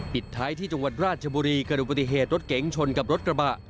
ปิดท้ายที่จังหวัดราชบุรีกระดูกปฏิเหตุรถเก๋งชนกับรถกระบะ